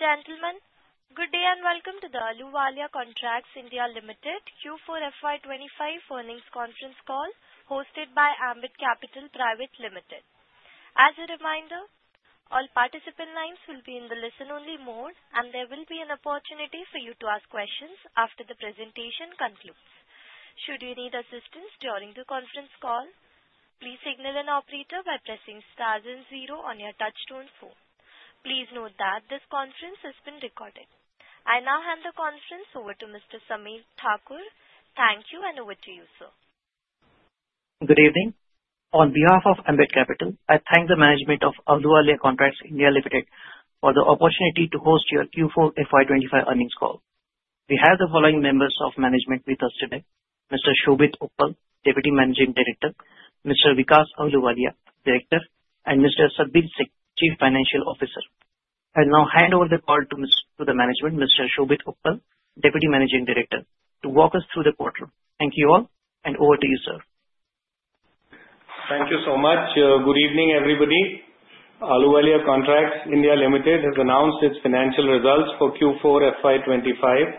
Ladies and gentlemen, good day and welcome to the Ahluwalia Contracts (India) Limited Q4 FY25 Earnings Conference Call, hosted by Ambit Capital Private Limited. As a reminder, all participant lines will be in the listen-only mode, and there will be an opportunity for you to ask questions after the presentation concludes. Should you need assistance during the conference call, please signal an operator by pressing stars and zero on your touch-tone phone. Please note that this conference has been recorded. I now hand the conference over to Mr. Sameer Thakur. Thank you, and over to you, sir. Good evening. On behalf of Ambit Capital, I thank the management of Ahluwalia Contracts (India) Limited for the opportunity to host your Q4 FY25 earnings call. We have the following members of management with us today: Mr. Shobhit Uppal, Deputy Managing Director, Mr. Vikas Ahluwalia, Director, and Mr. Satbeer Singh, Chief Financial Officer. I'll now hand over the call to the management, Mr. Shobhit Uppal, Deputy Managing Director, to walk us through the quarter. Thank you all, and over to you, sir. Thank you so much. Good evening, everybody. Ahluwalia Contracts (India) Limited has announced its financial results for Q4 FY25.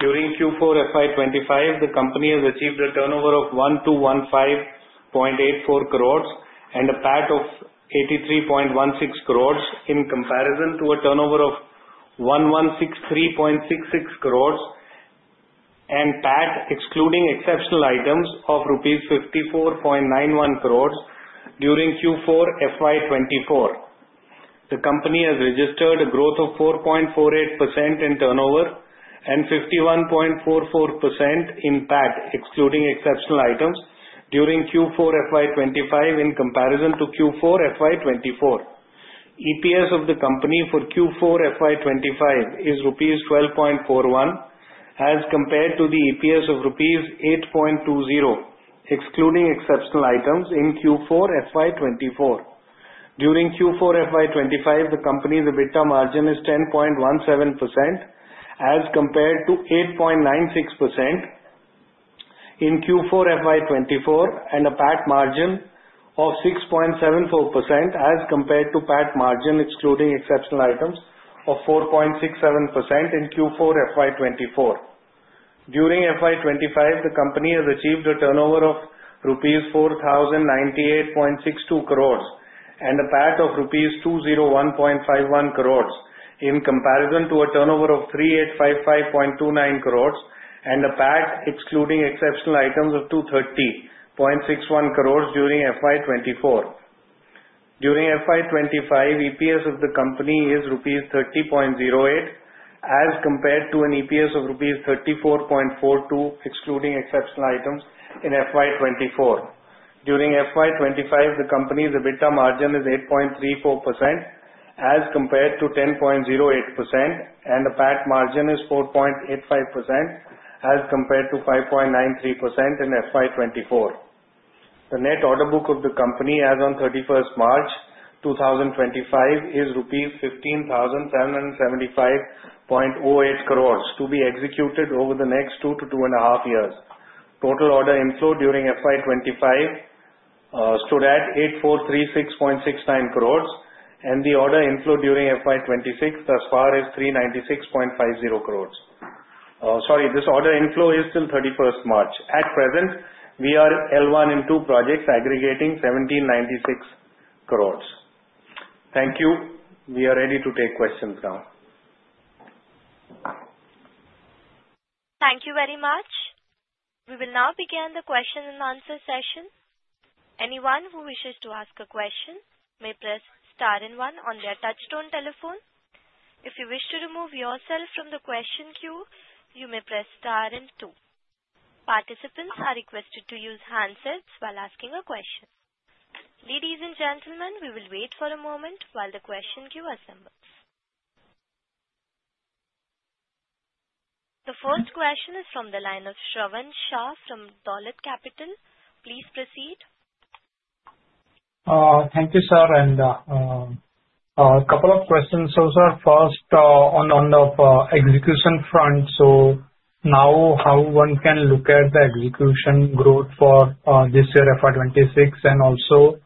During Q4 FY25, the company has achieved a turnover of 1,215.84 crores and a PAT of 83.16 crores in comparison to a turnover of 1,163.66 crores and PAT excluding exceptional items of rupees 54.91 crores during Q4 FY24. The company has registered a growth of 4.48% in turnover and 51.44% in PAT excluding exceptional items during Q4 FY25 in comparison to Q4 FY24. EPS of the company for Q4 FY25 is rupees 12.41 as compared to the EPS of rupees 8.20 excluding exceptional items in Q4 FY24. During Q4 FY25, the company's EBITDA margin is 10.17% as compared to 8.96% in Q4 FY24, and a PAT margin of 6.74% as compared to PAT margin excluding exceptional items of 4.67% in Q4 FY24. During FY25, the company has achieved a turnover of ₹4,098.62 crores and a PAT of ₹201.51 crores in comparison to a turnover of ₹3,855.29 crores and a PAT excluding exceptional items of ₹230.61 crores during FY24. During FY25, EPS of the company is ₹30.08 as compared to an EPS of ₹34.42 excluding exceptional items in FY24. During FY25, the company's EBITDA margin is 8.34% as compared to 10.08%, and the PAT margin is 4.85% as compared to 5.93% in FY24. The net order book of the company as of 31 March 2025 is ₹15,775.08 crores to be executed over the next two to two and a half years. Total order inflow during FY25 stood at ₹8,436.69 crores, and the order inflow during FY26 thus far is ₹396.50 crores. Sorry, this order inflow is till 31 March. At present, we are L1 and 2 projects aggregating ₹1,796 crores. Thank you. We are ready to take questions now. Thank you very much. We will now begin the question and answer session. Anyone who wishes to ask a question may press star and one on their touch-tone telephone. If you wish to remove yourself from the question queue, you may press star and two. Participants are requested to use handsets while asking a question. Ladies and gentlemen, we will wait for a moment while the question queue assembles. The first question is from the line of Shravan Shah from Dolat Capital. Please proceed. Thank you, sir. And a couple of questions. So, sir, first, on the execution front, so now how one can look at the execution growth for this year FY26? And also,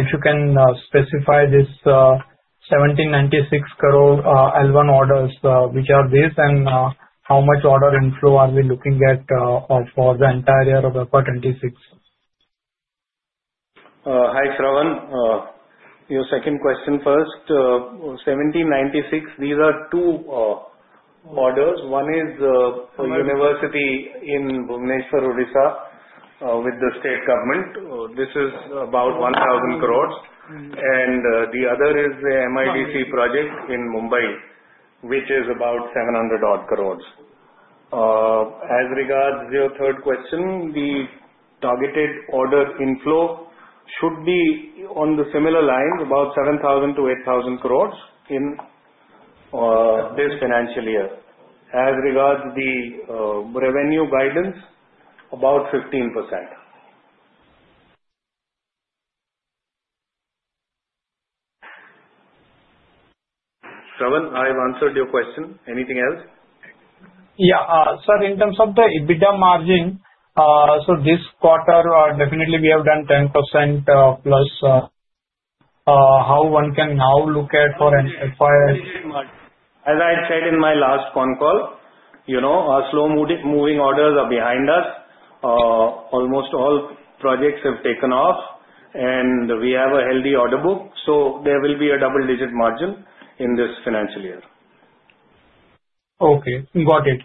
if you can specify this 1,796 crore L1 orders, which are these, and how much order inflow are we looking at for the entire year of FY26? Hi, Shravan. Your second question first. 1,796, these are two orders. One is a university in Bhubaneswar, Odisha, with the state government. This is about 1,000 crores. And the other is the MIDC project in Mumbai, which is about 700 crores. As regards to your third question, the targeted order inflow should be on the similar lines, about 7,000-8,000 crores in this financial year. As regards the revenue guidance, about 15%. Shravan, I've answered your question. Anything else? Yeah. Sir, in terms of the EBITDA margin, so this quarter, definitely, we have done 10% plus. How one can now look at for an FY? As I said in my last phone call, slow-moving orders are behind us. Almost all projects have taken off, and we have a healthy order book. So there will be a double-digit margin in this financial year. Okay. Got it.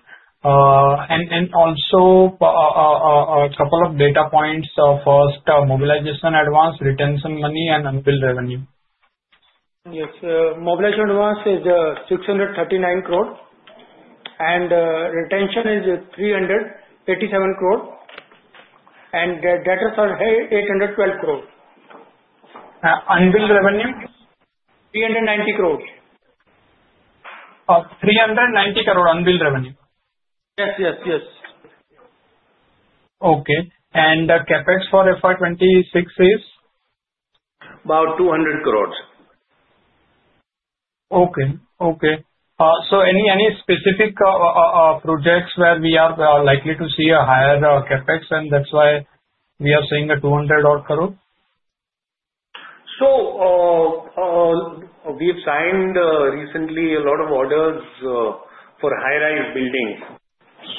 And also, a couple of data points. First, mobilization advance, retention money, and unbilled revenue. Yes. Mobilization advance is 639 crore, and retention is 387 crore. And debtors are 812 crore. Unbilled revenue? 390 crore. 390 crore unbilled revenue. Yes, yes, yes. Okay. And the CapEx for FY26 is? About 200 crore. Okay, okay. So any specific projects where we are likely to see a higher CAPEX, and that's why we are seeing a 200 crore? We've signed recently a lot of orders for high-rise buildings.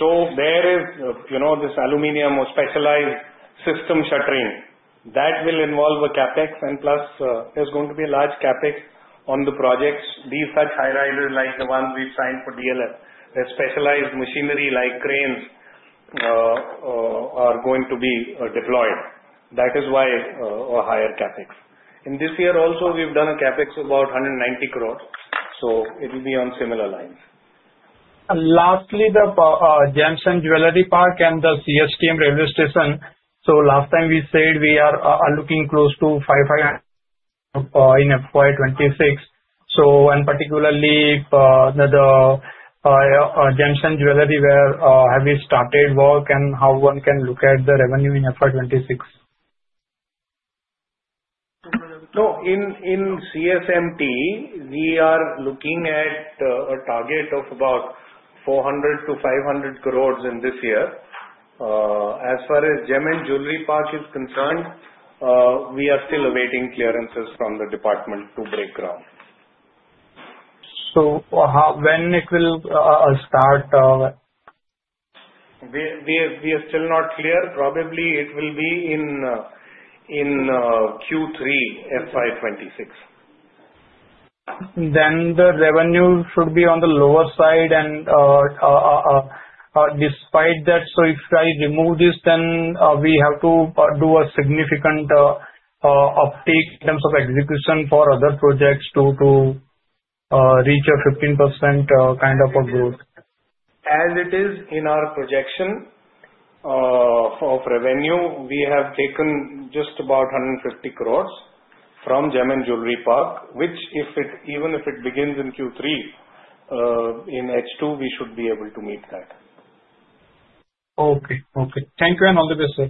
There is this aluminum or specialized system shuttering. That will involve a CapEx, and plus there's going to be a large CapEx on the projects. These such high-rises like the one we've signed for DLF, there's specialized machinery like cranes are going to be deployed. That is why a higher CapEx. In this year also, we've done a CapEx of about 190 crore. It will be on similar lines. Lastly, the India Jewellery Park and the CSMT railway station. So last time we said we are looking close to 5,500 in FY26. So particularly, the India Jewellery Park, where have we started work, and how one can look at the revenue in FY26? In CSMT, we are looking at a target of about 400-500 crores in this year. As far as Gem & Jewellry Park is concerned, we are still awaiting clearances from the department to break ground. So when it will start? We are still not clear. Probably it will be in Q3 FY26. Then the revenue should be on the lower side. And despite that, so if I remove this, then we have to do a significant uptake in terms of execution for other projects to reach a 15% kind of a growth. As it is in our projection of revenue, we have taken just about 150 crores from Gem and Jewelry Park, which even if it begins in Q3, in H2, we should be able to meet that. Okay, okay. Thank you, and all the best, sir.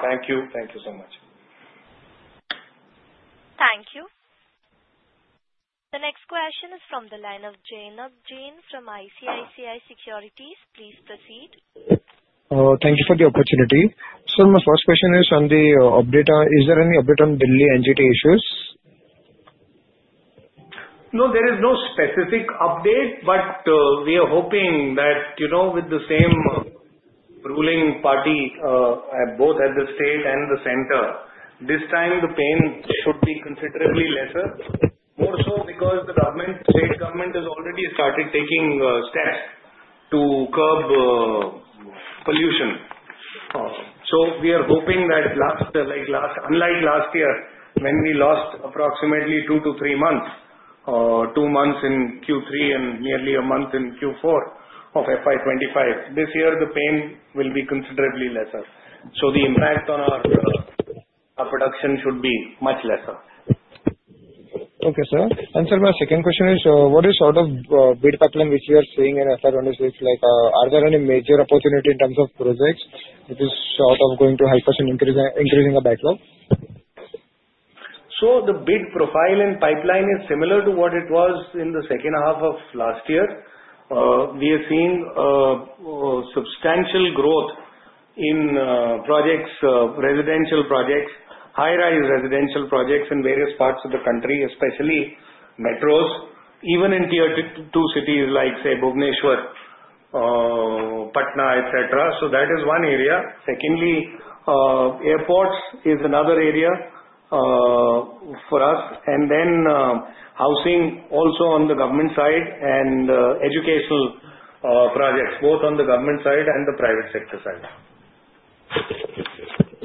Thank you. Thank you so much. Thank you. The next question is from the line of Jainam Jain, from ICICI Securities. Please proceed. Thank you for the opportunity. Sir, my first question is on the update. Is there any update on Delhi NGT issues? No, there is no specific update, but we are hoping that with the same ruling party, both at the state and the center, this time the pain should be considerably lesser, more so because the state government has already started taking steps to curb pollution. So we are hoping that unlike last year when we lost approximately two to three months, two months in Q3 and nearly a month in Q4 of FY25, this year the pain will be considerably lesser. So the impact on our production should be much lesser. Okay, sir. And sir, my second question is, what is sort of bid pipeline which we are seeing in FY26? Are there any major opportunity in terms of projects which is sort of going to help us in increasing the backlog? The bid profile and pipeline is similar to what it was in the second half of last year. We are seeing substantial growth in projects, residential projects, high-rise residential projects in various parts of the country, especially metros, even in tier two cities like, say, Bhubaneswar, Patna, etc. That is one area. Secondly, airports is another area for us. And then housing also on the government side and educational projects, both on the government side and the private sector side.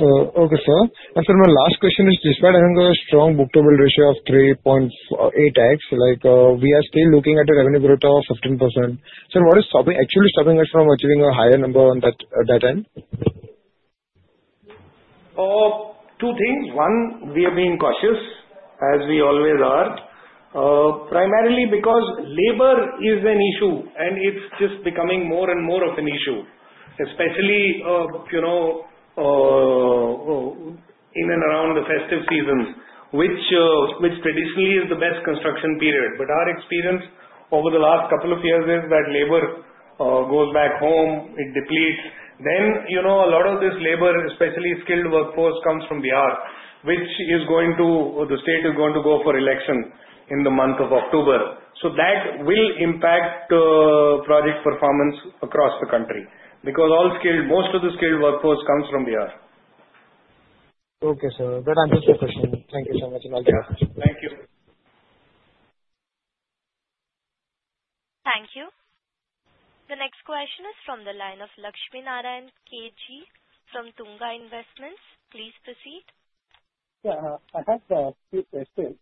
Okay, sir. And sir, my last question is, despite having a strong book-to-bill ratio of 3.8x, we are still looking at a revenue growth of 15%. Sir, what is actually stopping us from achieving a higher number on that end? Two things. One, we are being cautious as we always are, primarily because labor is an issue, and it's just becoming more and more of an issue, especially in and around the festive seasons, which traditionally is the best construction period. But our experience over the last couple of years is that labor goes back home. It depletes. Then a lot of this labor, especially skilled workforce, comes from Bihar, which is going to go for election in the month of October. So that will impact project performance across the country because most of the skilled workforce comes from Bihar. Okay, sir. That answers your question. Thank you so much. Thank you. Thank you. The next question is from the line of Lakshmi Narayanan KG, from Tunga Investments. Please proceed. Yeah. I have a few questions.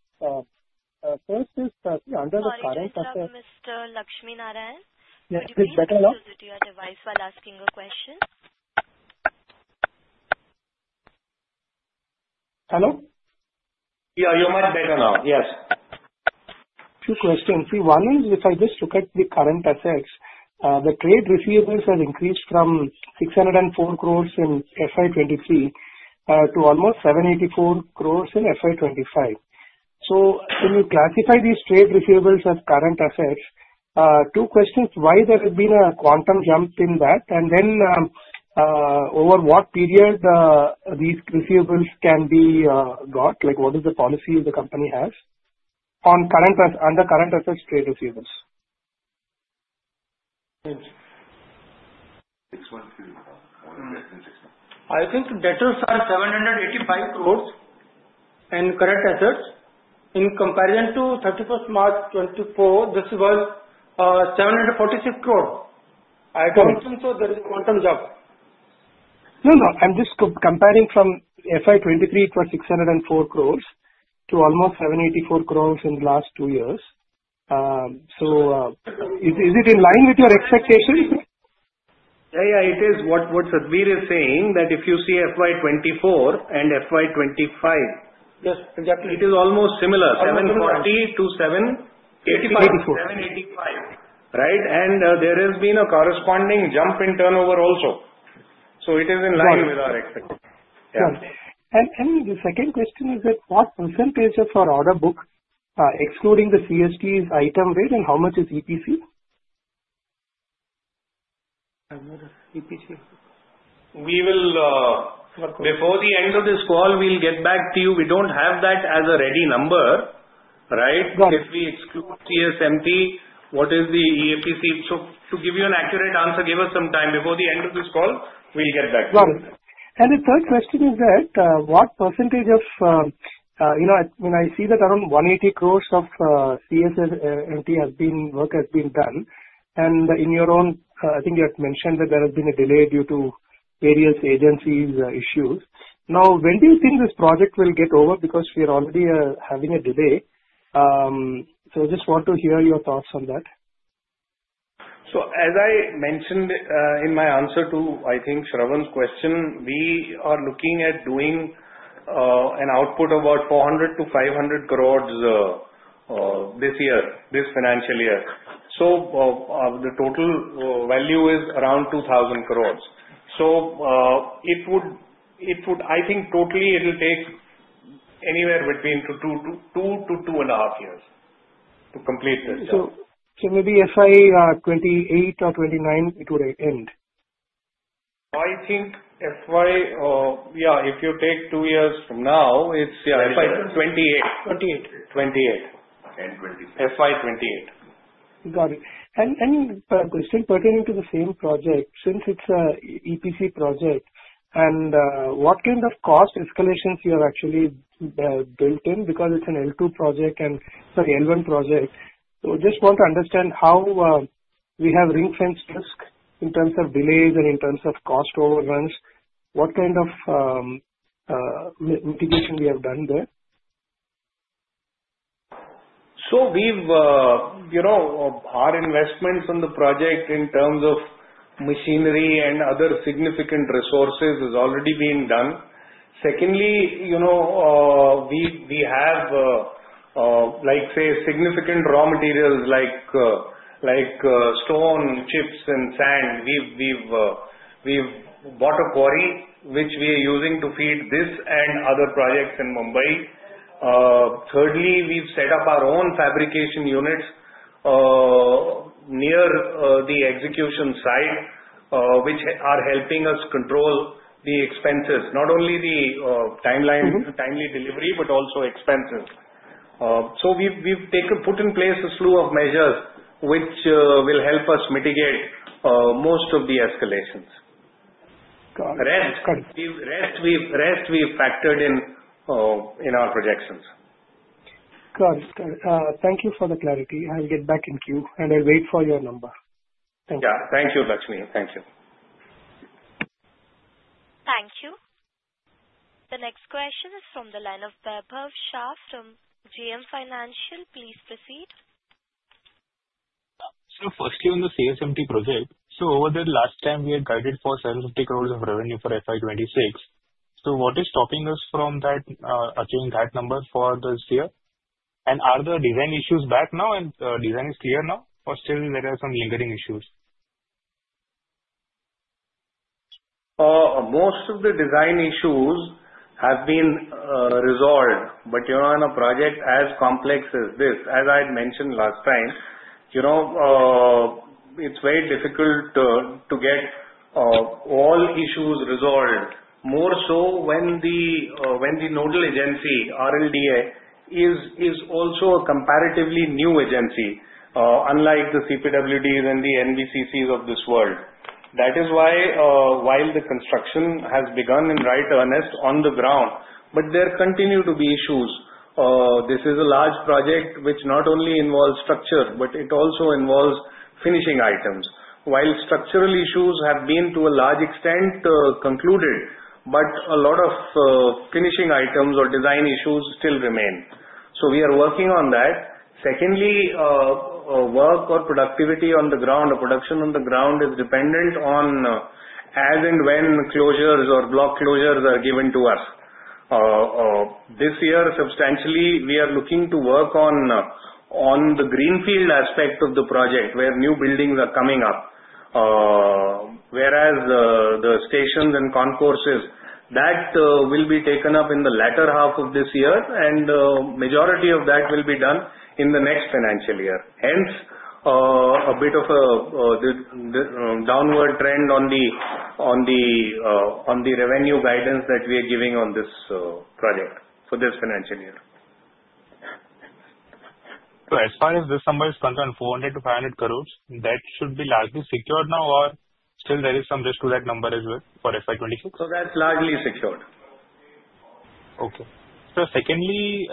First is under the current. Hi, sir, Mr. Lakshmi Narayanan. Yes. It's better now? Please proceed to your device while asking a question. Hello? Yeah, you're much better now. Yes. Two questions. See, one is if I just look at the current assets, the trade receivables have increased from 604 crores in FY23 to almost 784 crores in FY25. So can you classify these trade receivables as current assets? Two questions. Why there has been a quantum jump in that? And then over what period these receivables can be got? What is the policy the company has on under current assets trade receivables? I think debtors are 785 crore in current assets. In comparison to 31 March 2024, this was 746 crore. I don't think so there is a quantum jump. No, no. I'm just comparing from FY23, it was 604 crores to almost 784 crores in the last two years. So is it in line with your expectation? Yeah, yeah. It is what Satbeer is saying, that if you see FY24 and FY25, it is almost similar, 740-785. Right? And there has been a corresponding jump in turnover also. So it is in line with our expectation. The second question is that what percentage of our order book, excluding the CSMT's item weight, and how much is EPC? We will, before the end of this call, we'll get back to you. We don't have that as a ready number, right? If we exclude CSMT, what is the EPC? So to give you an accurate answer, give us some time. Before the end of this call, we'll get back to you. Got it. And the third question is that what percentage of when I see that around 180 crores of CSMT work has been done, and in your own, I think you had mentioned that there has been a delay due to various agencies' issues. Now, when do you think this project will get over? Because we are already having a delay. So I just want to hear your thoughts on that. So as I mentioned in my answer to, I think, Shravan's question, we are looking at doing an output of about 400-500 crores this year, this financial year. So the total value is around 2,000 crores. So it would, I think, totally it will take anywhere between two to two and a half years to complete this. So maybe FY28 or FY29, it would end? I think FY, yeah, if you take two years from now, it's FY28.FY28. Got it. And question pertaining to the same project, since it's an EPC project, and what kind of cost escalations you have actually built in? Because it's an L2 project and, sorry, L1 project. So I just want to understand how we have ring-fenced risk in terms of delays and in terms of cost overruns. What kind of mitigation we have done there? So our investments on the project in terms of machinery and other significant resources have already been done. Secondly, we have, say, significant raw materials like stone, chips, and sand. We've bought a quarry, which we are using to feed this and other projects in Mumbai. Thirdly, we've set up our own fabrication units near the execution site, which are helping us control the expenses, not only the timely delivery, but also expenses. So we've put in place a slew of measures which will help us mitigate most of the escalations. Got it. The rest, we've factored in our projections. Got it. Thank you for the clarity. I'll get back in queue, and I'll wait for your number. Yeah. Thank you, Lakshmi. Thank you. Thank you. The next question is from the line of Vaibhav Shah, JM Financial. Please proceed. So firstly, on the CSMT project, so over the last time, we had guided for 750 crores of revenue for FY26. So what is stopping us from achieving that number for this year? And are the design issues back now, and design is clear now? Or still there are some lingering issues? Most of the design issues have been resolved. But on a project as complex as this, as I had mentioned last time, it's very difficult to get all issues resolved, more so when the nodal agency, RLDA, is also a comparatively new agency, unlike the CPWDs and the NBCCs of this world. That is why, while the construction has begun, in right earnest, on the ground, but there continue to be issues. This is a large project which not only involves structure, but it also involves finishing items. While structural issues have been to a large extent concluded, but a lot of finishing items or design issues still remain. So we are working on that. Secondly, work or productivity on the ground, production on the ground, is dependent on as and when closures or block closures are given to us. This year, substantially, we are looking to work on the greenfield aspect of the project where new buildings are coming up, whereas the stations and concourses, that will be taken up in the latter half of this year, and majority of that will be done in the next financial year. Hence, a bit of a downward trend on the revenue guidance that we are giving on this project for this financial year. So as far as this number is concerned, 400-500 crores, that should be largely secured now, or still there is some risk to that number as well for FY26? So that's largely secured. Okay. So secondly,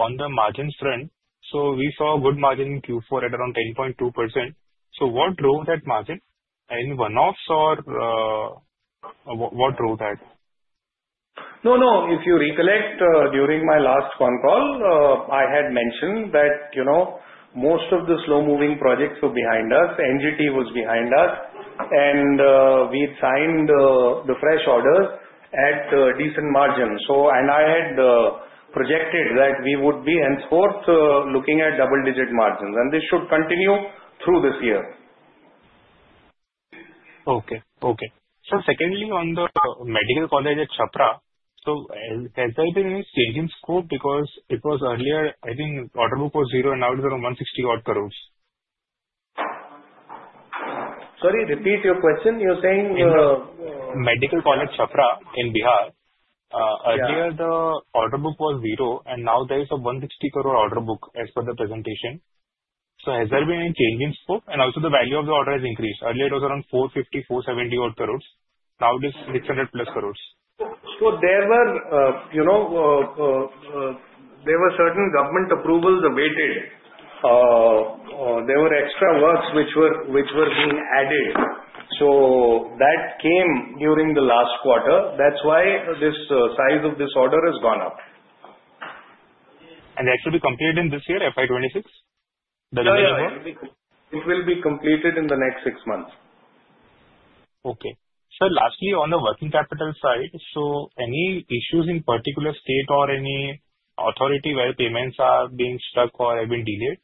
on the margins trend, so we saw a good margin in Q4 at around 10.2%. So what drove that margin? Any one-offs or what drove that? No, no. If you recollect, during my last phone call, I had mentioned that most of the slow-moving projects were behind us. NGT was behind us, and we had signed the fresh orders at decent margins. And I had projected that we would be, henceforth, looking at double-digit margins, and this should continue through this year. Okay. Okay. Secondly, on the medical college at Chhapra, so has there been any staging scope? Because it was earlier, I think, order book was zero, and now it's around 160 crores. Sorry, repeat your question. You're saying. In the medical college Chhapra in Bihar, earlier, the order book was zero, and now there is a 160 crore order book as per the presentation. So has there been any changing scope? And also, the value of the order has increased. Earlier, it was around 450-470 crores. Now it is 600 plus crores. So there were certain government approvals awaited. There were extra works which were being added. So that came during the last quarter. That's why the size of this order has gone up. That should be completed in this year, FY26? Yeah. It will be completed in the next six months. Okay. So lastly, on the working capital side, so any issues in particular state or any authority where payments are being stuck or have been delayed?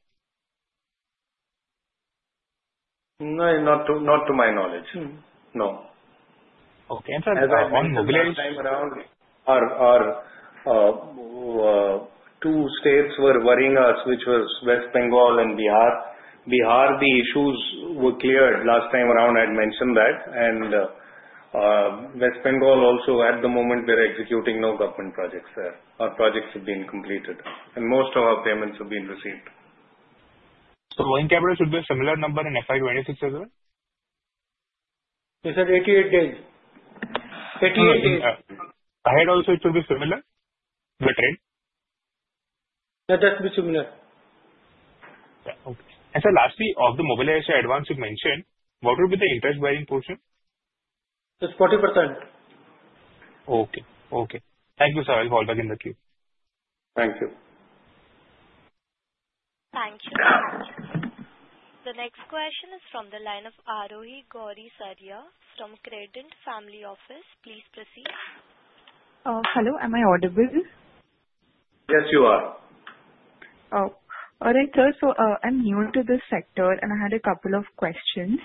Not to my knowledge. No. Okay. And sir. As I mentioned last time around, two states were worrying us, which was West Bengal and Bihar. Bihar, the issues were cleared last time around. I had mentioned that. And West Bengal also, at the moment, they're executing no government projects, sir, or projects have been completed. And most of our payments have been received. So working capital should be a similar number in FY26 as well? Yes, sir, 88 days. 88 days. Ahead also, it should be similar? The trade? That has to be similar. Okay. And sir, lastly, of the mobilization advance you mentioned, what would be the interest-bearing portion? It's 40%. Okay. Okay. Thank you, sir. I'll call back in the queue. Thank you. Thank you. The next question is from the line of Aarohi Gourisaria (India) from Kredent Family Office. Please proceed. Hello. Am I audible? Yes, you are. All right, sir. So I'm new to this sector, and I had a couple of questions.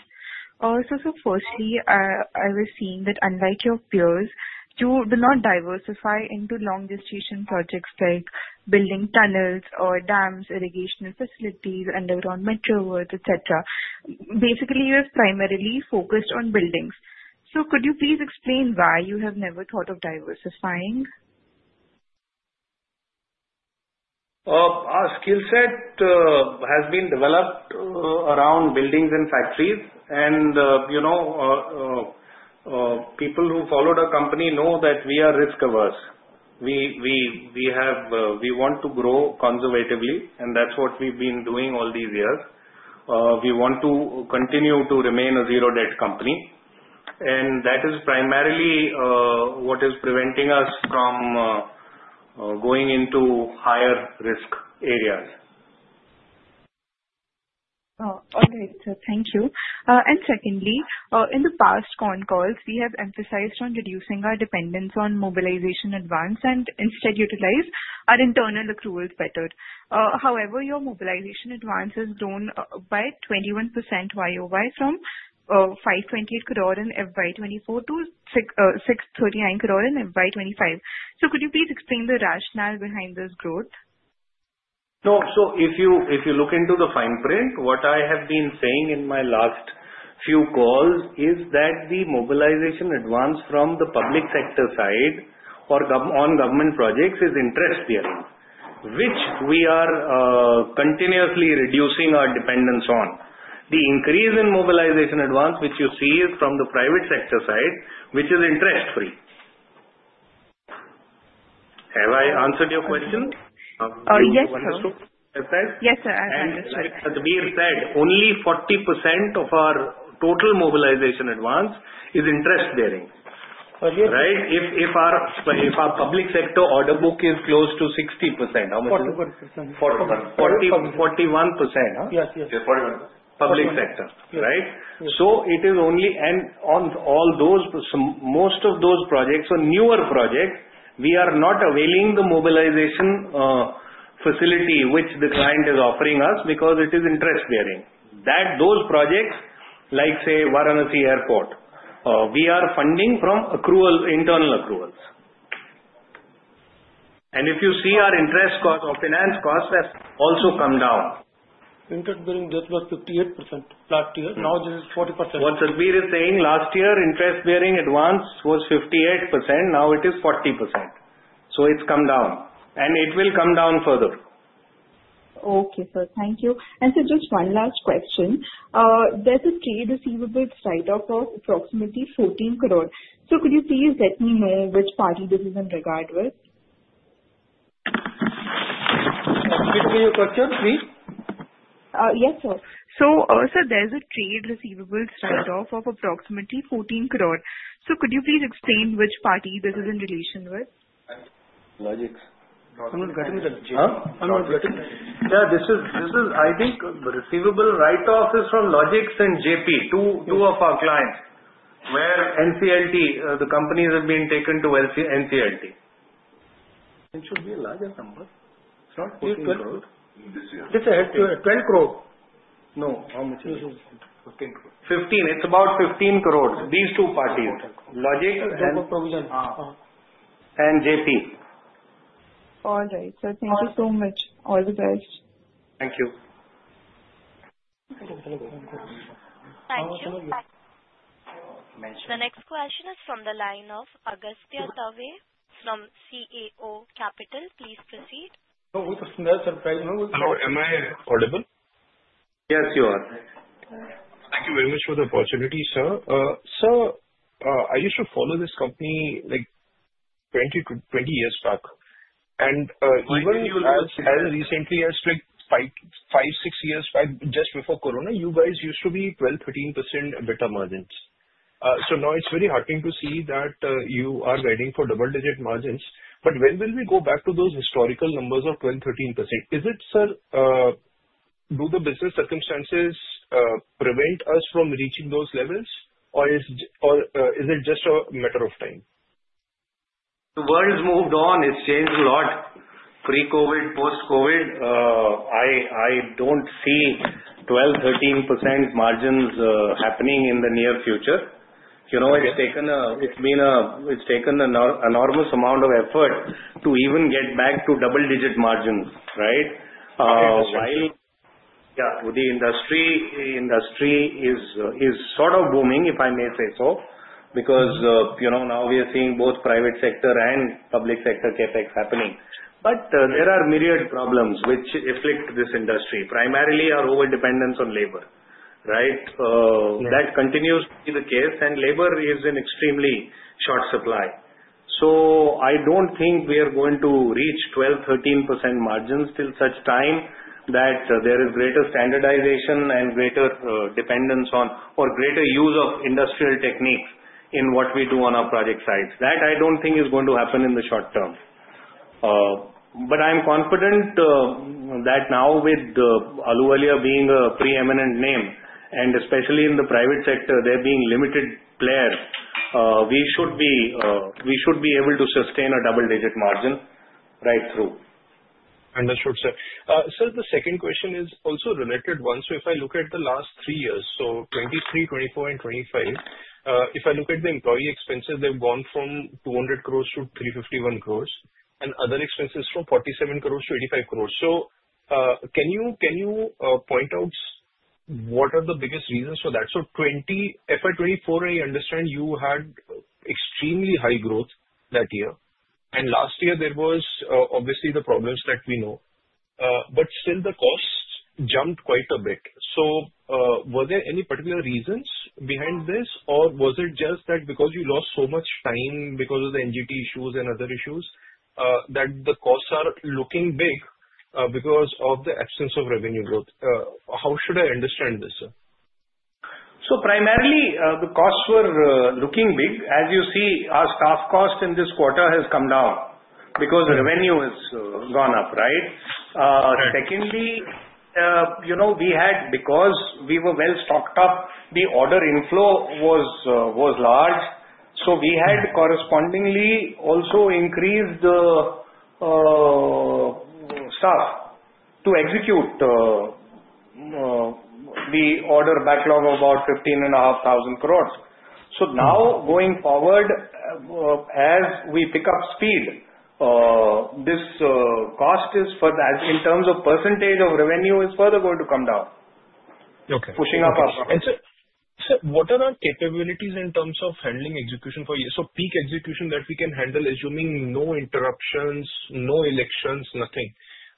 So firstly, I was seeing that unlike your peers, you do not diversify into long-duration projects like building tunnels or dams, irrigation facilities, underground metro works, etc. Basically, you have primarily focused on buildings. So could you please explain why you have never thought of diversifying? Our skill set has been developed around buildings and factories. And people who followed our company know that we are risk-averse. We want to grow conservatively, and that's what we've been doing all these years. We want to continue to remain a zero-debt company. And that is primarily what is preventing us from going into higher-risk areas. All right. Thank you. And secondly, in the past phone calls, we have emphasized on reducing our dependence on mobilization advance and instead utilize our internal accruals better. However, your mobilization advances down by 21% YOY from 528 crore in FY24 to 639 crore in FY25. So could you please explain the rationale behind this growth? No. So if you look into the fine print, what I have been saying in my last few calls is that the mobilization advance from the public sector side or on government projects is interest-bearing, which we are continuously reducing our dependence on. The increase in mobilization advance which you see is from the private sector side, which is interest-free. Have I answered your question? Yes, sir. Yes, sir. I understand. Satbeer said only 40% of our total mobilization advance is interest-bearing. Right? If our public sector order book is close to 60%, how much is it? 41%. 41%. 41%. Yes, yes. Yes, 41%. Public sector. Right? So it is only on all those, most of those projects or newer projects, we are not availing the mobilization facility which the client is offering us because it is interest-bearing. Those projects, like say, Varanasi Airport, we are funding from internal accruals. And if you see our interest finance cost has also come down. Interest-bearing debt was 58% last year. Now this is 40%. What Satbeer is saying, last year, interest-bearing advance was 58%. Now it is 40%. So it's come down. And it will come down further. Okay, sir. Thank you. And sir, just one last question. There's a trade receivables side of approximately 14 crore. So could you please let me know which party this is in regard with? Repeat me your question, please. Yes, sir. So sir, there's a trade receivables side of approximately 14 crore. So could you please explain which party this is in relation with? Yeah. I think the receivable write-off is from Logix and JP, two of our clients, where the companies have been taken to NCLT. It should be a larger number. It's not ₹14 crore. It's 12 crore. No, how much is it? 15 crore. It's about ₹15 crore. These two parties, Logix and. And JP. All right, sir. Thank you so much. All the best. Thank you. Thank you. The next question is from the line of Agastya Dave from CAO Capital. Please proceed. Hello. Am I audible? Yes, you are. Thank you very much for the opportunity, sir. Sir, I used to follow this company 20 years back. Even as recently as five, six years, just before corona, you guys used to be 12%-13% better margins. Now it's very heartening to see that you are aiming for double-digit margins. But when will we go back to those historical numbers of 12%-13%? Is it, sir, do the business circumstances prevent us from reaching those levels, or is it just a matter of time? The world has moved on. It's changed a lot. Pre-COVID, post-COVID, I don't see 12%-13% margins happening in the near future. It's taken an enormous amount of effort to even get back to double-digit margins, right? Interesting. Yeah. The industry is sort of booming, if I may say so, because now we are seeing both private sector and public sector CAPEX happening. But there are myriad problems which afflict this industry. Primarily, our over-dependence on labor, right? That continues to be the case, and labor is in extremely short supply. So I don't think we are going to reach 12%-13% margins till such time that there is greater standardization and greater dependence on or greater use of industrial techniques in what we do on our project sides. That I don't think is going to happen in the short term. But I'm confident that now with Ahluwalia being a pre-eminent name, and especially in the private sector, there being limited players, we should be able to sustain a double-digit margin right through. Understood, sir. Sir, the second question is also a related one. So if I look at the last three years, so 2023, 2024, and 2025, if I look at the employee expenses, they've gone from 200 crores to 351 crores, and other expenses from 47 crores to 85 crores. So can you point out what are the biggest reasons for that? So FY24, I understand you had extremely high growth that year. And last year, there was obviously the problems that we know. But still, the cost jumped quite a bit. So were there any particular reasons behind this, or was it just that because you lost so much time because of the NGT issues and other issues that the costs are looking big because of the absence of revenue growth? How should I understand this, sir? So primarily, the costs were looking big. As you see, our staff cost in this quarter has come down because revenue has gone up, right? Secondly, we had, because we were well stocked up, the order inflow was large. So we had correspondingly also increased the staff to execute the order backlog of about 15,500 crores. So now going forward, as we pick up speed, this cost is, in terms of percentage of revenue, is further going to come down, pushing up our profits. And sir, what are our capabilities in terms of handling execution for a year? So peak execution that we can handle, assuming no interruptions, no elections, nothing,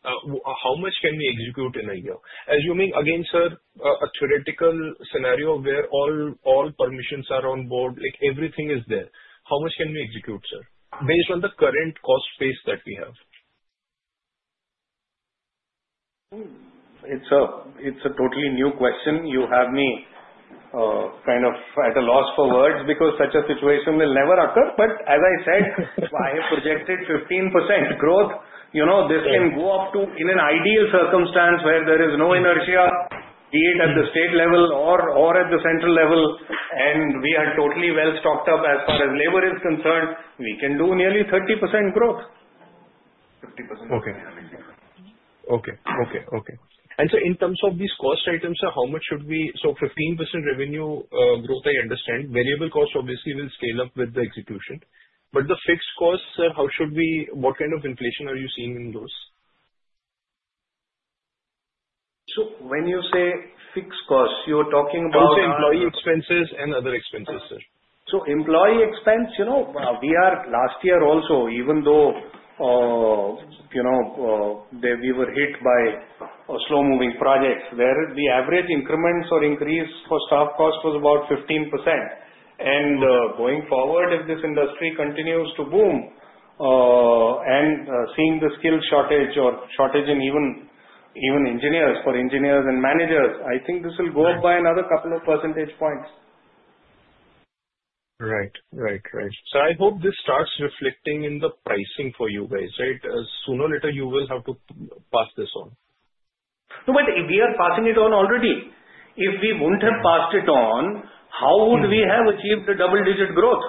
how much can we execute in a year? Assuming, again, sir, a theoretical scenario where all permissions are on board, everything is there, how much can we execute, sir, based on the current cost base that we have? It's a totally new question. You have me kind of at a loss for words because such a situation will never occur. But as I said, I have projected 15% growth. This can go up to, in an ideal circumstance where there is no inertia, be it at the state level or at the central level, and we are totally well stocked up as far as labor is concerned, we can do nearly 30% growth. Okay. And sir, in terms of these cost items, sir, how much should we? So 15% revenue growth, I understand. Variable cost, obviously, will scale up with the execution. But the fixed cost, sir, how should we? What kind of inflation are you seeing in those? So when you say fixed cost, you're talking about? I would say employee expenses and other expenses, sir. Employee expense, we are last year also, even though we were hit by slow-moving projects, where the average increments or increase for staff cost was about 15%. Going forward, if this industry continues to boom and seeing the skill shortage or shortage in even engineers, for engineers and managers, I think this will go up by another couple of percentage points. Right. So I hope this starts reflecting in the pricing for you guys, right? Sooner or later, you will have to pass this on. No, but we are passing it on already. If we wouldn't have passed it on, how would we have achieved a double-digit growth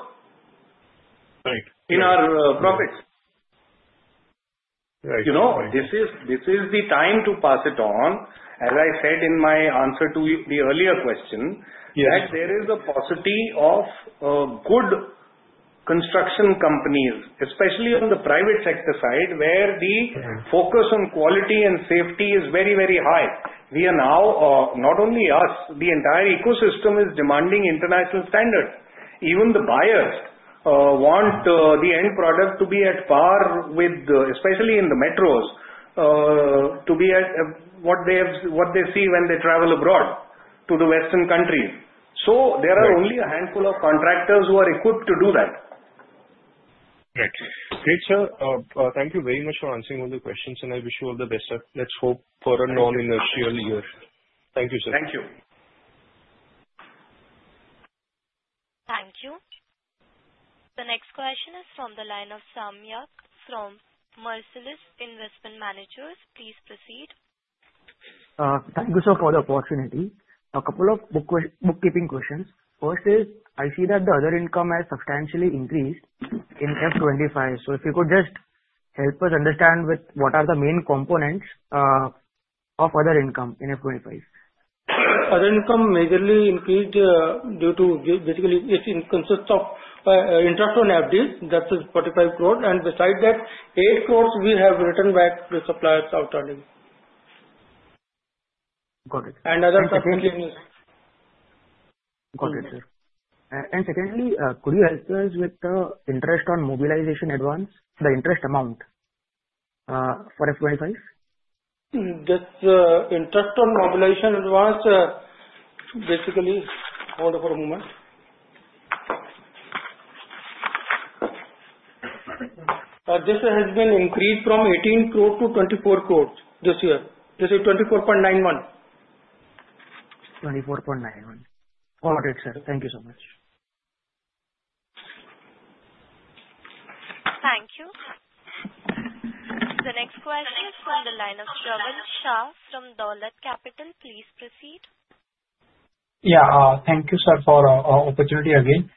in our profits? Right. This is the time to pass it on. As I said in my answer to the earlier question, that there is a paucity of good construction companies, especially on the private sector side, where the focus on quality and safety is very, very high. We are now, not only us, the entire ecosystem is demanding international standards. Even the buyers want the end product to be at par with, especially in the metros, to be at what they see when they travel abroad to the Western countries. So there are only a handful of contractors who are equipped to do that. Right. Great, sir. Thank you very much for answering all the questions, and I wish you all the best, sir. Let's hope for a non-inflationary year. Thank you, sir. Thank you. Thank you. The next question is from the line of Samyak from Marcellus Investment Managers. Please proceed. Thank you, sir, for the opportunity. A couple of bookkeeping questions. First is, I see that the other income has substantially increased in FY25. So if you could just help us understand what are the main components of other income in FY25? Other income majorly increased due to basically it consists of interest on FD, that is 45 crore, and besides that, 8 crores we have returned back to suppliers outstanding. Got it. And other substantial use. Got it, sir. And secondly, could you help us with the interest on mobilization advance, the interest amount for FY25? The interest on mobilization advance, sir, basically hold for a moment. This has been increased from 18 crore to 24 crore this year. This is 24.91. Got it, sir. Thank you so much. Thank you. The next question is from the line of Shravan Shah from Dolat Capital. Please proceed. Yeah. Thank you, sir, for the opportunity again.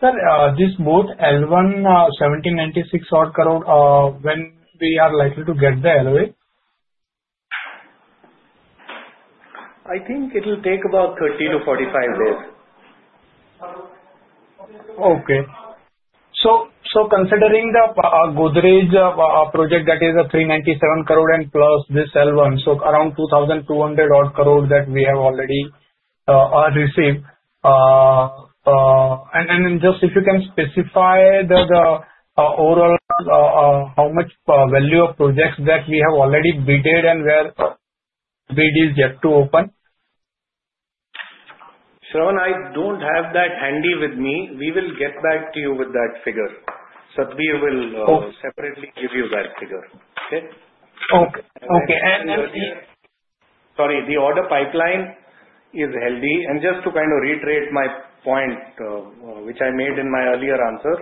Sir, this both L1, INR 1,796 crore, when we are likely to get the LOA? I think it will take about 30 to 45 days. Okay. So considering the Godrej project, that is 397 crore and plus this L1, so around 2,200 crore that we have already received. And just if you can specify the overall how much value of projects that we have already bid and where bid is yet to open. Sir, I don't have that handy with me. We will get back to you with that figure. Satbeer will separately give you that figure, okay? Okay. Sorry, the order pipeline is healthy. And just to kind of reiterate my point, which I made in my earlier answer,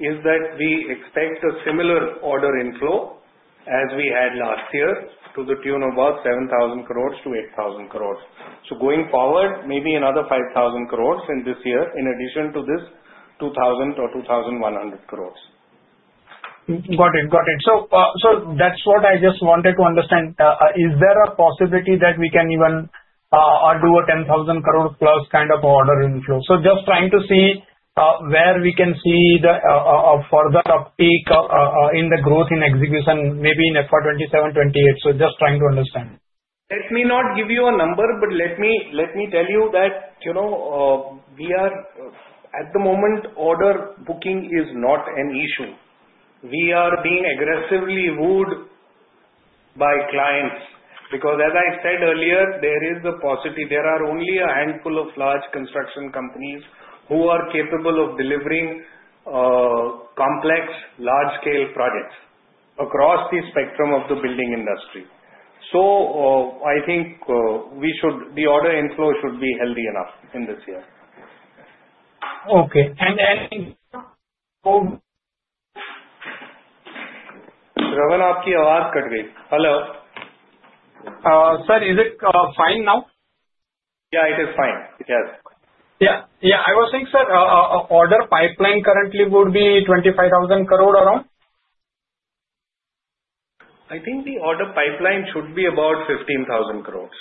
is that we expect a similar order inflow as we had last year to the tune of about 7,000 crores to 8,000 crores. So going forward, maybe another 5,000 crores in this year in addition to this 2,000 or 2,100 crores. Got it. Got it. So that's what I just wanted to understand. Is there a possibility that we can even do a 10,000 crore plus kind of order inflow? So just trying to see where we can see the further uptick in the growth in execution, maybe in FY27, 28. So just trying to understand. Let me not give you a number, but let me tell you that we are, at the moment, order booking is not an issue. We are being aggressively wooed by clients because, as I said earlier, there is a paucity. There are only a handful of large construction companies who are capable of delivering complex, large-scale projects across the spectrum of the building industry. So I think the order inflow should be healthy enough in this year. Okay. And. Ravan, your voice cut off. Hello. Sir, is it fine now? Yeah, it is fine. Yes. Yeah. Yeah. I was saying, sir, order pipeline currently would be 25,000 crore around? I think the order pipeline should be about ₹15,000 crores.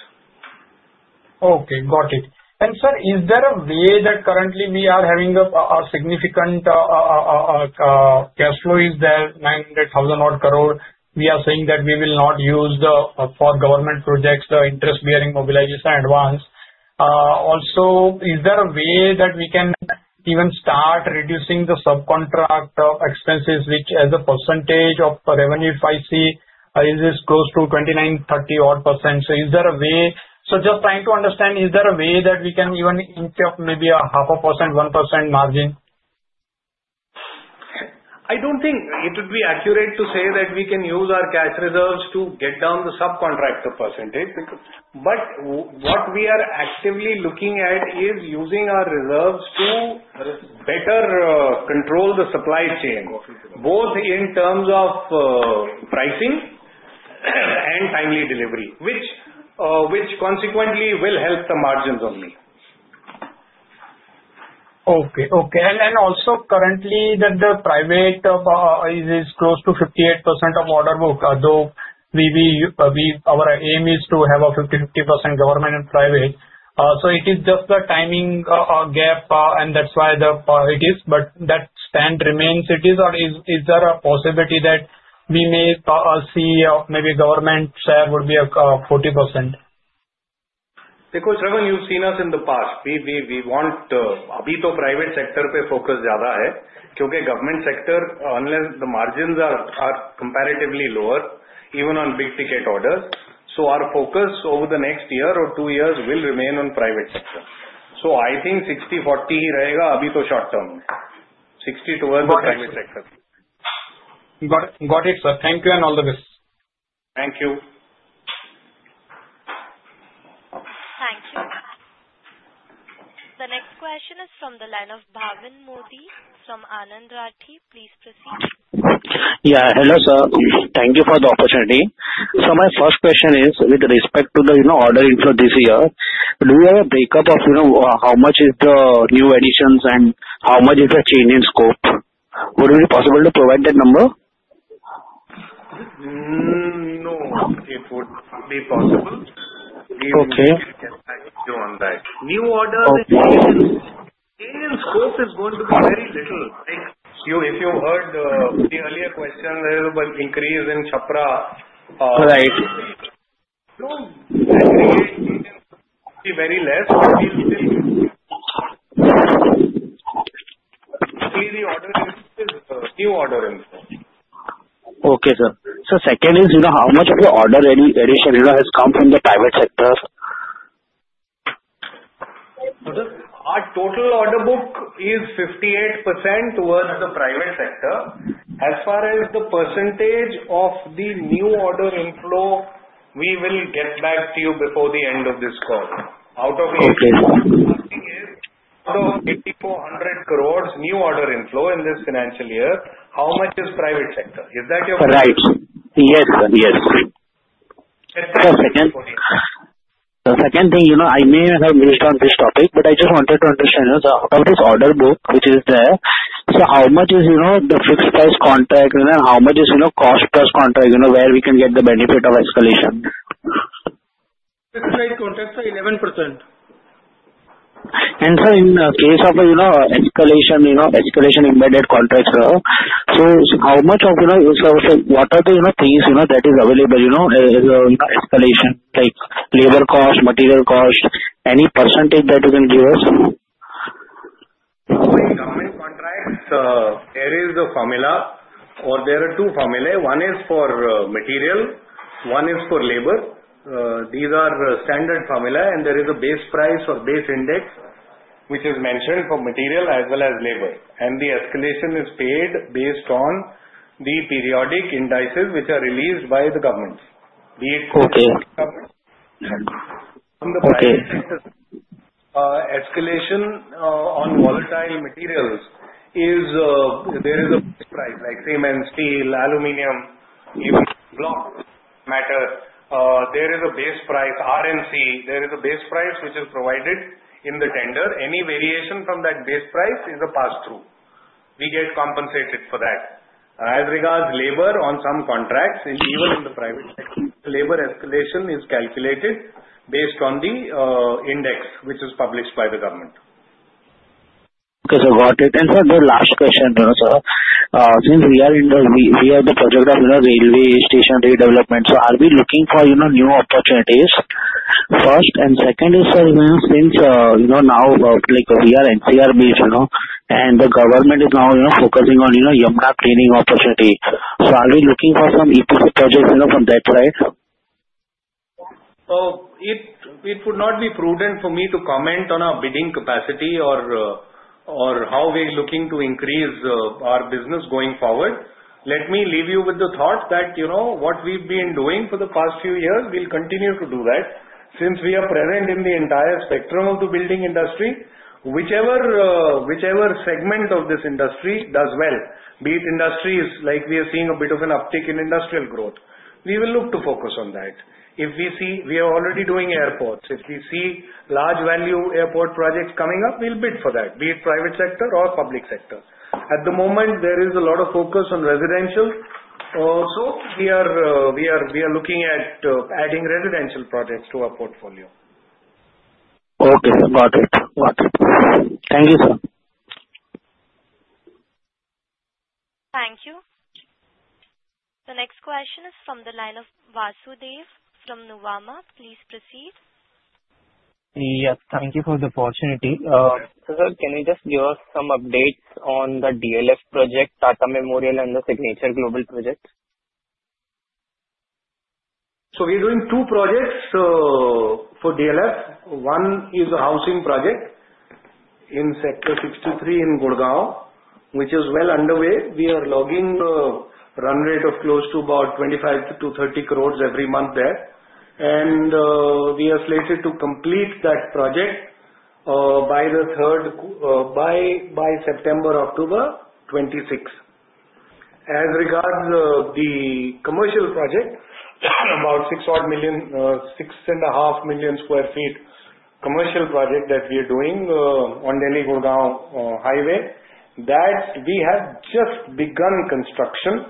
Okay. Got it. And sir, is there a way that currently we are having a significant cash flow? Is there 900,000 crore we are saying that we will not use for government projects, the interest-bearing mobilization advance? Also, is there a way that we can even start reducing the subcontract expenses, which, as a percentage of revenue, if I see, is close to 29%-30% odd? So is there a way? So just trying to understand, is there a way that we can even improve, maybe 0.5%-1% margin? I don't think it would be accurate to say that we can use our cash reserves to get down the subcontractor percentage. But what we are actively looking at is using our reserves to better control the supply chain, both in terms of pricing and timely delivery, which consequently will help the margins only. And also, currently, the private is close to 58% of order book, although our aim is to have a 50-50% government and private. So it is just the timing gap, and that's why it is. But that span remains. Is there a possibility that we may see maybe government share would be 40%? Because, Ravan, you've seen us in the past. We want to, अभी तो private sector पे focus ज्यादा है क्योंकि government sector, unless the margins are comparatively lower, even on big-ticket orders. So our focus over the next year or two years will remain on private sector. So I think 60-40 ही रहेगा, अभी तो short term में. 60 towards the private sector. Got it, sir. Thank you and all the best. Thank you. Thank you. The next question is from the line of Bhavin Modi from Anand Rathi. Please proceed. Yeah. Hello, sir. Thank you for the opportunity. So my first question is, with respect to the order inflow this year, do you have a breakup of how much is the new additions and how much is the change in scope? Would it be possible to provide that number? No. It would be possible. Okay. New order, the change in scope is going to be very little. If you heard the earlier question, there is an increase in Chhapra. Right. Don't aggregate changes to be very less, but we'll still see the order inflow is new order inflow. Okay, sir. So second is, how much of the order addition has come from the private sector? Our total order book is 58% towards the private sector. As far as the percentage of the new order inflow, we will get back to you before the end of this call. Out of 8,400 crore, new order inflow in this financial year, how much is private sector? Is that your question? Right. Yes, sir. Yes. The second thing, I may have missed on this topic, but I just wanted to understand, out of this order book, which is there, so how much is the fixed-price contract and how much is cost-plus contract, where we can get the benefit of escalation? Fixed-price contract, sir, 11%. Sir, in the case of escalation, escalation embedded contracts, sir, so how much of what are the things that is available as escalation, like labor cost, material cost, any percentage that you can give us? Government contract, there is a formula, or there are two formulas. One is for material, one is for labor. These are standard formulas, and there is a base price or base index, which is mentioned for material as well as labor. And the escalation is paid based on the periodic indices which are released by the government. The economic government. Okay. Escalation on volatile materials. There is a base price, like cement, steel, aluminum, even black tar. There is a base price, cement. There is a base price which is provided in the tender. Any variation from that base price is a pass-through. We get compensated for that. As regards labor on some contracts, even in the private sector, the labor escalation is calculated based on the index which is published by the government. Okay. So got it. And sir, the last question, sir. Since we have the project of railway station redevelopment, so are we looking for new opportunities? First, and second is, sir, since now we are NCR based, and the government is now focusing on Yamuna cleaning opportunity. So are we looking for some EPC projects from that side? It would not be prudent for me to comment on our bidding capacity or how we are looking to increase our business going forward. Let me leave you with the thought that what we've been doing for the past few years, we'll continue to do that since we are present in the entire spectrum of the building industry. Whichever segment of this industry does well, be it industries, like we are seeing a bit of an uptick in industrial growth, we will look to focus on that. If we see we are already doing airports. If we see large value airport projects coming up, we'll bid for that, be it private sector or public sector. At the moment, there is a lot of focus on residential, so we are looking at adding residential projects to our portfolio. Okay. Got it. Got it. Thank you, sir. Thank you. The next question is from the line of Vasudev from Nuvama. Please proceed. Yes. Thank you for the opportunity. Sir, can you just give us some updates on the DLF project, Tata Memorial, and the Signature Global project? We are doing two projects for DLF. One is a housing project in Sector 63 in Gurgaon, which is well underway. We are logging a run rate of close to about 25-230 crore every month there. We are slated to complete that project by September, October 2026. As regards the commercial project, about 6.5 million sq ft commercial project that we are doing on Delhi-Gurgaon Highway, that we have just begun construction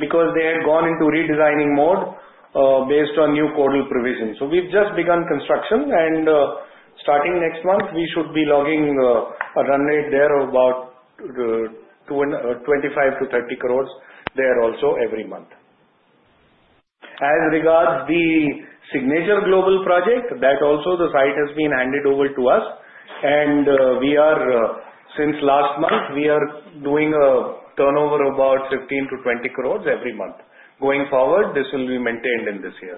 because they had gone into redesigning mode based on new codal provisions. We've just begun construction, and starting next month, we should be logging a run rate there of about 25-30 crore there also every month. As regards the Signature Global project, that also, the site has been handed over to us. Since last month, we are doing a turnover of about 15-20 crore every month. Going forward, this will be maintained in this year.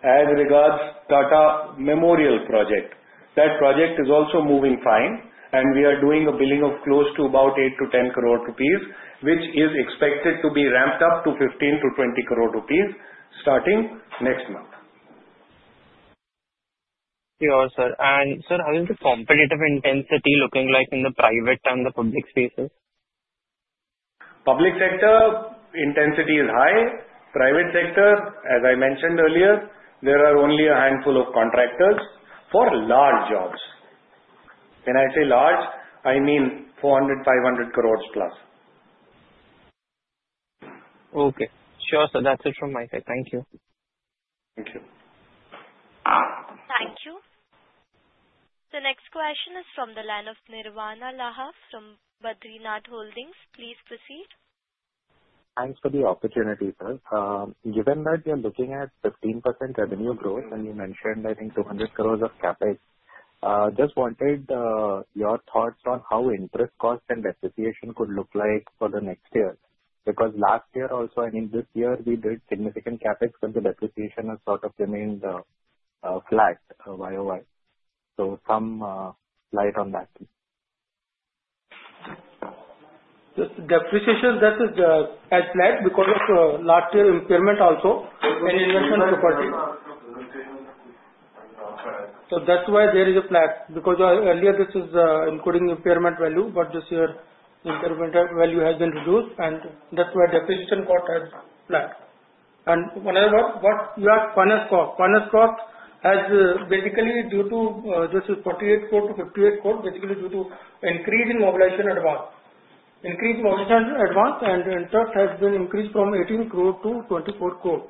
As regards Tata Memorial project, that project is also moving fine, and we are doing a billing of close to about 8-10 crore rupees, which is expected to be ramped up to 15-20 crore rupees starting next month. Sure, sir. And sir, how is the competitive intensity looking like in the private and the public spaces? Public sector intensity is high. Private sector, as I mentioned earlier, there are only a handful of contractors for large jobs. When I say large, I mean 400, 500 crores plus. Okay. Sure, sir. That's it from my side. Thank you. Thank you. Thank you. The next question is from the line of Nirvana Laha from Badrinath Holdings. Please proceed. Thanks for the opportunity, sir. Given that you're looking at 15% revenue growth, and you mentioned, I think, 200 crores of CAPEX, just wanted your thoughts on how interest cost and depreciation could look like for the next year because last year also, I mean, this year, we did significant CAPEX, but the depreciation has sort of remained flat YOY. So, some light on that. The depreciation, that is flat, because of last year's impairment also and investment property, so that's why there is a flat because earlier, this was including impairment value, but this year, impairment value has been reduced, and that's why depreciation has flat, and one other one, what you have, finance cost. Finance cost has basically, due to this, is 48 crore to 58 crore, basically due to increase in mobilization advance, and interest has been increased from 18 crore to 24 crore.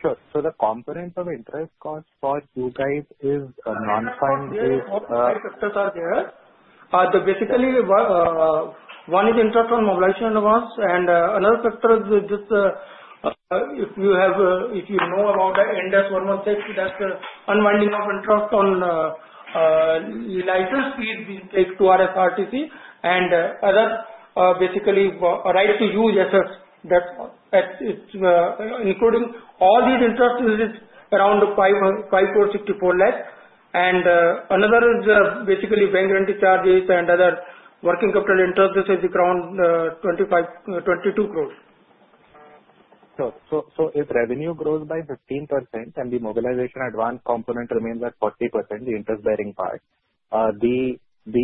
Sure. So the components of interest cost for you guys is non-final. What other sectors are there? Basically, one is interest on mobilization advance, and another factor is just if you know about the Ind AS 116, that's the unwinding of interest on license fees being paid to RSRTC and other basically right to use assets. Including all these interest is around 5 crore 64 lakhs, and another is basically bank guarantee charges and other working capital interest. This is around 22 crore. Sure. So if revenue grows by 15% and the mobilization advance component remains at 40%, the interest-bearing part, the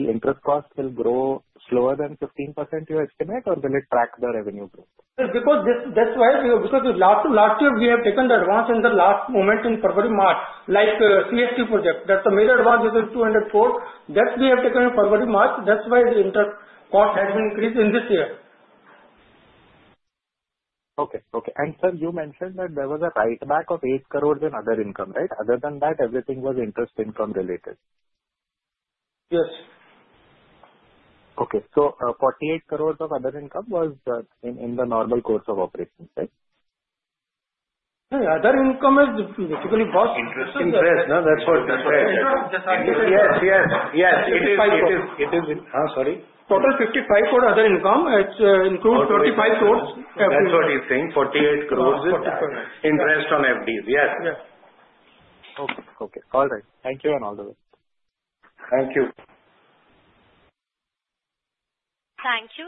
interest cost will grow slower than 15%, you estimate, or will it track the revenue growth? Because that's why last year, we have taken the advance in the last moment in February-March, like CSMT project. That's the major advance. This is 200 crore. That we have taken in February-March. That's why the interest cost has been increased in this year. Okay. And sir, you mentioned that there was a write-back of eight crores in other income, right? Other than that, everything was interest income related? Yes. Okay. So 48 crores of other income was in the normal course of operations, right? Other income is basically cost. Interest on interest. That's what you said. Yes, yes, yes. It is. 5 crore. Sorry. Total 55 crore other income. It includes 25 crores. That's what he's saying. 48 crores is interest on FDs. Yes. Yes. Okay. Okay. All right. Thank you and all the best. Thank you. Thank you.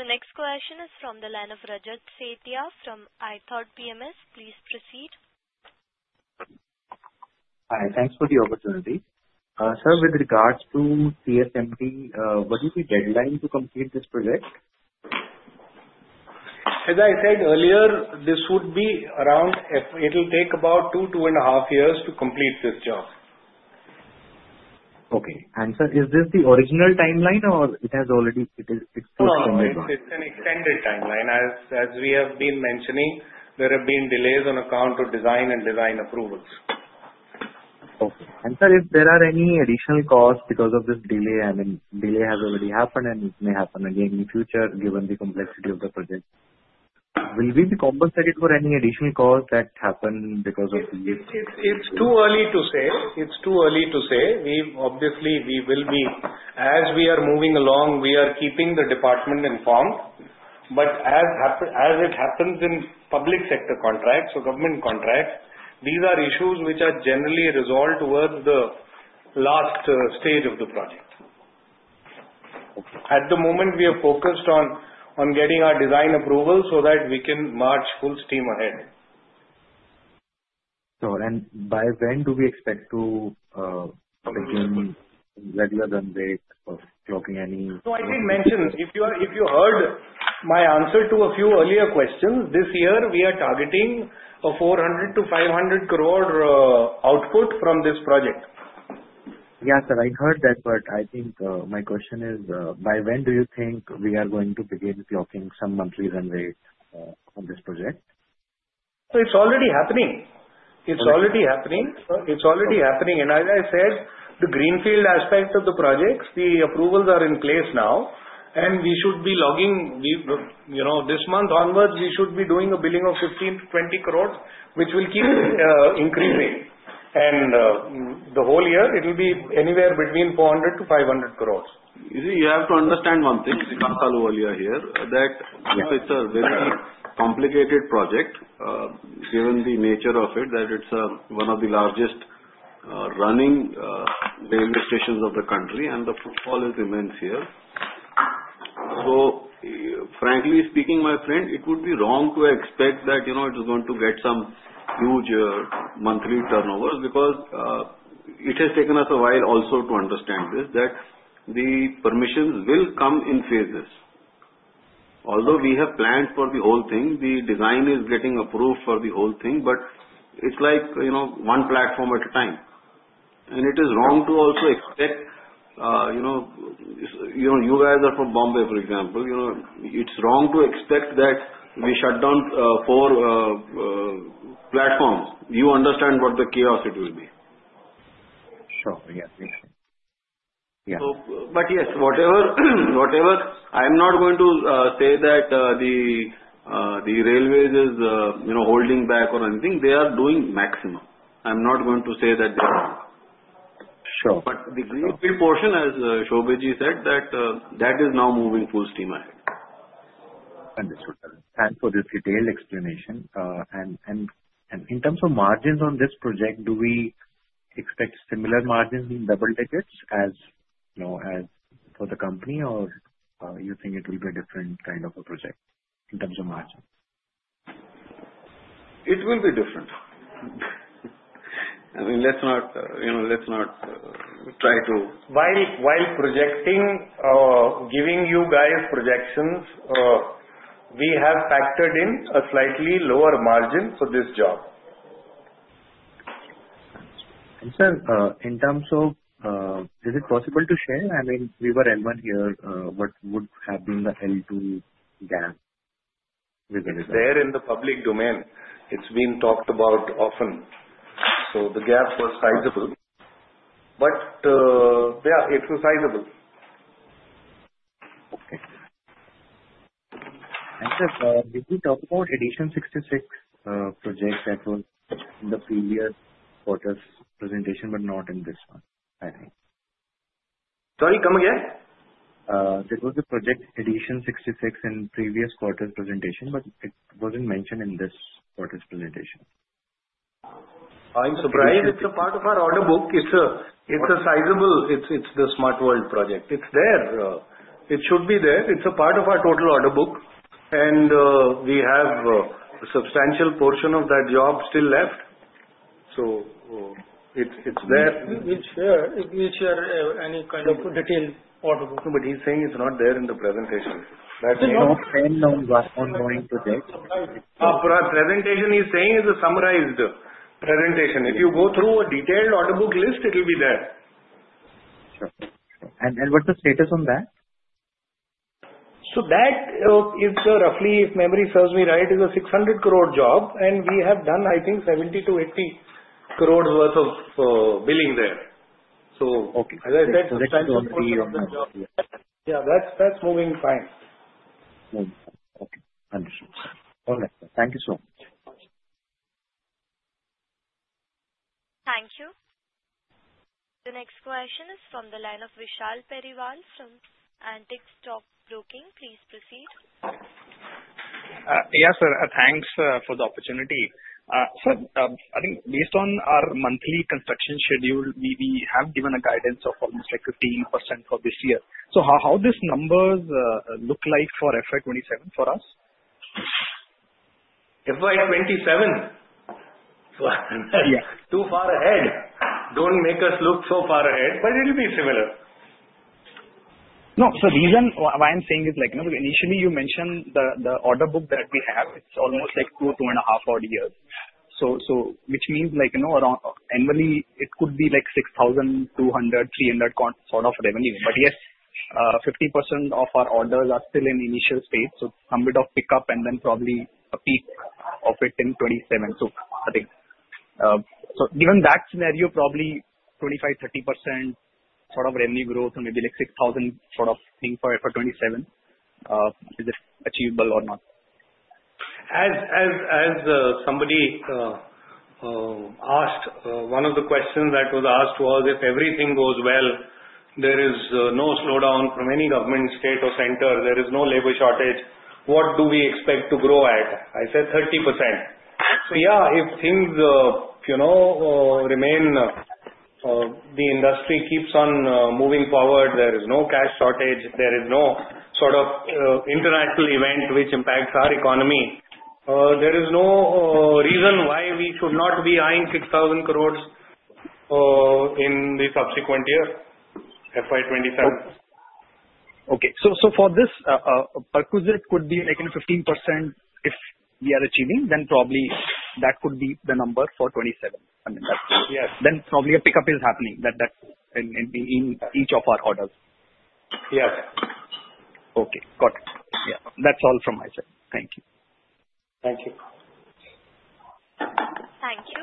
The next question is from the line of Rajat Setiya from iThought PMS. Please proceed. Hi. Thanks for the opportunity. Sir, with regards to CSMT, what is the deadline to complete this project? As I said earlier, this would be around. It'll take about two, two and a half years to complete this job. Okay. Sir, is this the original timeline or has it already broken ground? It's an extended timeline. As we have been mentioning, there have been delays on account of design and design approvals. Okay. And, sir, if there are any additional costs because of this delay, and delay has already happened and it may happen again in the future given the complexity of the project, will we be compensated for any additional costs that happen because of these? It's too early to say. Obviously, we will be. As we are moving along, we are keeping the department informed. But as it happens in public sector contracts or government contracts, these are issues which are generally resolved toward the last stage of the project. At the moment, we are focused on getting our design approval so that we can march full steam ahead. Sure. And by when do we expect to begin regular runs of clocking any? No, I did mention. If you heard my answer to a few earlier questions, this year, we are targeting 400-500 crore output from this project. Yes, sir. I heard that, but I think my question is, by when do you think we are going to begin clocking some monthly run rate on this project? So it's already happening. It's already happening. It's already happening. And as I said, the greenfield aspect of the projects, the approvals are in place now, and we should be logging this month onwards. We should be doing a billing of 15-20 crores, which will keep increasing. And the whole year, it will be anywhere between 400-500 crores. You have to understand one thing, Sanjeev Ahluwalia here, that it's a very complicated project given the nature of it, that it's one of the largest running railway stations of the country, and the footfall remains here. So frankly speaking, my friend, it would be wrong to expect that it is going to get some huge monthly turnovers because it has taken us a while also to understand this that the permissions will come in phases. Although we have planned for the whole thing, the design is getting approved for the whole thing, but it's like one platform at a time, and it is wrong to also expect, you guys are from Bombay, for example. It's wrong to expect that we shut down four platforms. You understand what the chaos it will be. Sure. Yes. Yeah. But yes, whatever. I'm not going to say that the railways is holding back or anything. They are doing maximum. I'm not going to say that they are not. But the greenfield portion, as Shobhit said, that is now moving full steam ahead. Understood, sir. Thanks for this detailed explanation, and in terms of margins on this project, do we expect similar margins, double digits, as for the company, or you think it will be a different kind of a project in terms of margin? It will be different. I mean, let's not try to. While giving you guys projections, we have factored in a slightly lower margin for this job. Sir, in terms of, is it possible to share? I mean, we were L1 here. What would have been the L2 gap within it? There in the public domain, it's been talked about often. So the gap was sizable, but yeah, it's sizable. Okay. And sir, did we talk about Edition 66 project that was in the previous quarter's presentation, but not in this one, I think? Sorry, come again? There was a project, Edition 66, in previous quarter's presentation, but it wasn't mentioned in this quarter's presentation. I'm surprised it's a part of our order book. It's a sizable. It's the Smartworld project. It's there. It should be there. It's a part of our total order book. And we have a substantial portion of that job still left. So it's there. We'll share any kind of detailed order book. No, but he's saying it's not there in the presentation. So it's not an ongoing project? Presentation he's saying is a summarized presentation. If you go through a detailed order book list, it'll be there. Sure. And what's the status on that? So that is roughly, if memory serves me right, a 600 crore job, and we have done, I think, 70-80 crore worth of billing there. So as I said, substantial portion of the job. Yeah, that's moving fine. Okay. Understood. All right. Thank you so much. Thank you. The next question is from the line of Vishal Periwal from Antique Stock Broking. Please proceed. Yes, sir. Thanks for the opportunity. Sir, I think based on our monthly construction schedule, we have given a guidance of almost 15% for this year. So how do these numbers look like for FY27 for us? FY27? Yeah. Too far ahead. Don't make us look so far ahead, but it'll be similar. No, so the reason why I'm saying is initially you mentioned the order book that we have. It's almost like two, two and a half odd years, which means annually it could be like 6,200-300 sort of revenue. But yes, 50% of our orders are still in initial state. So some bit of pickup and then probably a peak of it in 27. So I think given that scenario, probably 25-30% sort of revenue growth and maybe like 6,000 sort of thing for FY27. Is it achievable or not? As somebody asked, one of the questions that was asked was if everything goes well, there is no slowdown from any government, state or center. There is no labor shortage. What do we expect to grow at? I said 30%. So yeah, if things remain, the industry keeps on moving forward, there is no cash shortage, there is no sort of international event which impacts our economy, there is no reason why we should not be eyeing 6,000 crores in the subsequent year, FY27. Okay. So for this, perquisite could be like 15% if we are achieving, then probably that could be the number for 27. I mean, then probably a pickup is happening in each of our orders. Yes. Okay. Got it. Yeah. That's all from my side. Thank you. Thank you. Thank you.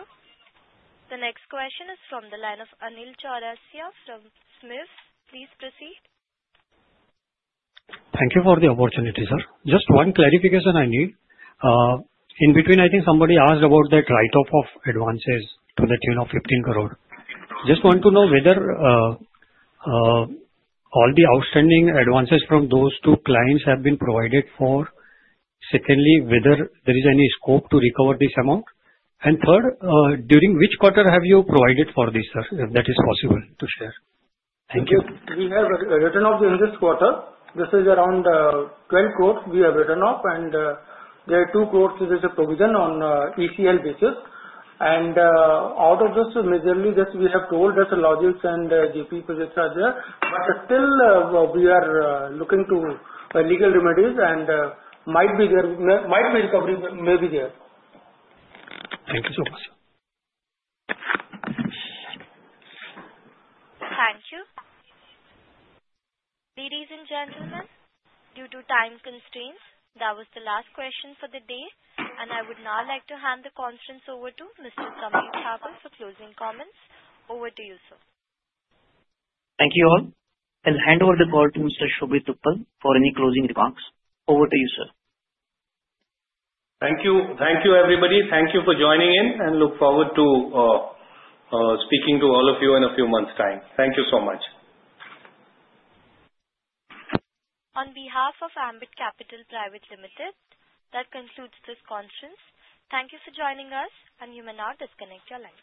The next question is from the line of Anil Chaurasia from SMIFS. Please proceed. Thank you for the opportunity, sir. Just one clarification I need. In between, I think somebody asked about that write-off of advances to the tune of 15 crore. Just want to know whether all the outstanding advances from those two clients have been provided for. Secondly, whether there is any scope to recover this amount. And third, during which quarter have you provided for this, sir, if that is possible to share? Thank you. We have written off in this quarter. This is around 12 crores we have written off, and there are 2 crores which is a provision on ECL basis, and out of this, majorly that we have told that the Logix and GP projects are there. But still, we are looking to legal remedies and might be there, might be recovery may be there. Thank you so much, sir. Thank you. Ladies and gentlemen, due to time constraints, that was the last question for the day. And I would now like to hand the conference over to Mr. Sameer Thakur for closing comments. Over to you, sir. Thank you all. I'll hand over the floor to Mr. Shobhit Uppal for any closing remarks. Over to you, sir. Thank you. Thank you, everybody. Thank you for joining in, and look forward to speaking to all of you in a few months' time. Thank you so much. On behalf of Ambit Capital Private Limited, that concludes this conference. Thank you for joining us, and you may now disconnect your lines.